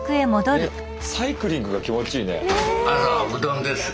サイクリングが気持ちいいね。